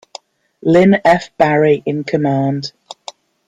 Lynn F. Barry in command.